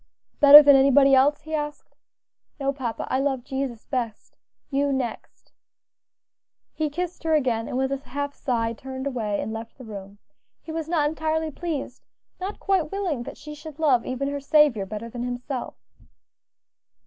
"Better than anybody else?" he asked "No, papa, I love Jesus best; you next." He kissed her again, and with a half sigh turned away and left the room. He was not entirely pleased; not quite willing that she should love even her Saviour better than himself.